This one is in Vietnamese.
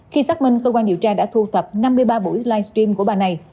khi xác minh cơ quan điều tra đã thu tập năm mươi ba buổi live stream của bà này